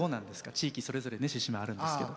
地域それぞれ獅子舞あるんですけど。